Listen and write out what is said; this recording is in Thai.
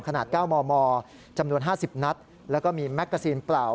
ขนาด๙มมจำนวน๕๐นัดแล้วก็มีแมกกาซีนเปล่า